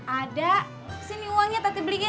ada sini uangnya tati beliin